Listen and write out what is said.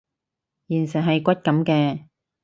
現實係骨感嘅